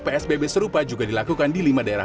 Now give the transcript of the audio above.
psbb serupa juga dilakukan di lima daerah